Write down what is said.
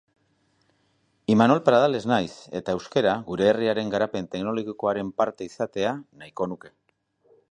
Aparkaleku bat topatu nahi dut